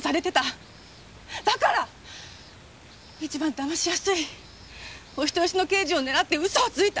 だから一番だましやすいお人よしの刑事を狙って嘘をついた。